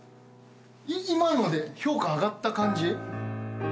今ので評価上がった感じ？